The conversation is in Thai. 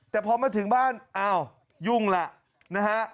แต่พอมาถึงบ้านอ้าวยุ่งล่ะนะฮะ